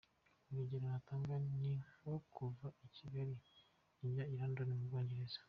Urugero natanga ni nko kuva i Kigali ujya i London mu Bwongereza :